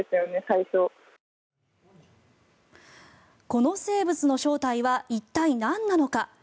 この生物の正体は一体なんなのか。